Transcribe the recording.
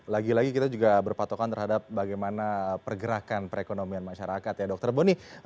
lagi lagi kita juga berpatokan terhadap bagaimana pergerakan perekonomian masyarakat ya dokter boni